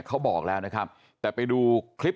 เขาบอกแล้วนะครับแต่ไปดูคลิป